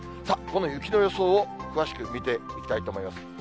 さあ、この雪の予想を詳しく見ていきたいと思います。